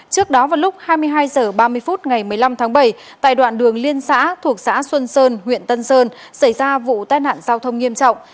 trước đó vào lúc hai mươi hai h ba mươi phút ngày một mươi năm tháng bảy tại đoạn đường liên xã thuộc xã xuân sơn huyện tân sơn xảy ra vụ tai nạn giao thông nghiêm trọng